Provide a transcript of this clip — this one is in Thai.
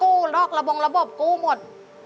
นอกระบงระบบกู้หมด